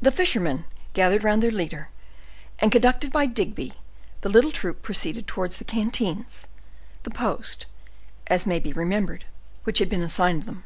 The fishermen gathered round their leader, and, conducted by Digby, the little troop proceeded towards the canteens, the post, as may be remembered, which had been assigned them.